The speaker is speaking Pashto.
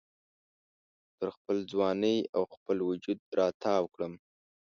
تر خپل ځوانۍ او خپل وجود را تاو کړم